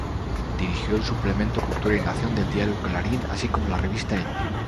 Dirigió el suplemento Cultura y Nación del diario Clarín así como la Revista Ñ.